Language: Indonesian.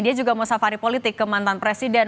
dia juga mau safari politik ke mantan presiden